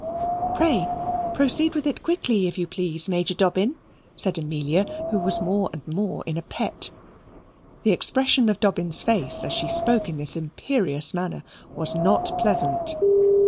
"Pray proceed with it quickly, if you please, Major Dobbin," said Amelia, who was more and more in a pet. The expression of Dobbin's face, as she spoke in this imperious manner, was not pleasant.